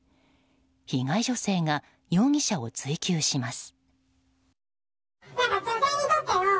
被害女性が容疑者を追及します。